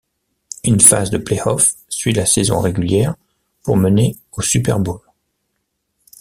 Une phase de play-offs suit la saison régulière pour mener au Super Bowl.